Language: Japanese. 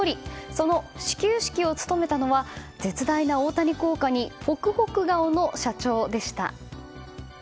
その始球式を務めたのは絶大な大谷効果にホクホク顔の社長でした。